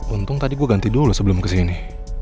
untung tadi gue ganti dulu sebelum kesini